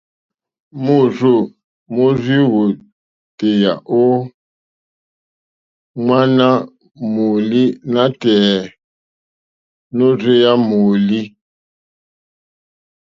Môrzô mórzìwà lìwòtéyá ô ŋwáɲá mòòlî nátɛ̀ɛ̀ nôrzéyá mòòlí.